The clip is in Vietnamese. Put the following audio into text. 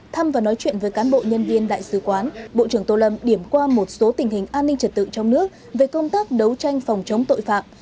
thăm và nói chuyện với cán bộ nhân viên đại sứ quán bộ trưởng tô lâm điểm qua một số tình hình an ninh trật tự trong nước về công tác đấu tranh phòng chống tội phạm